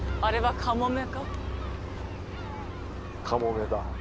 カモメだ。